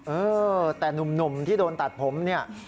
เออแต่หนุ่มที่โดนตัดผมเนี่ย